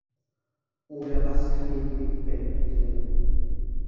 Oder was kann den Big Bang erklären?